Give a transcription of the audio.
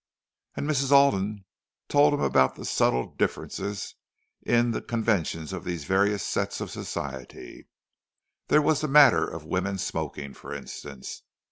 And Mrs. Alden told him about the subtle little differences in the conventions of these various sets of Society. There was the matter of women smoking, for instance.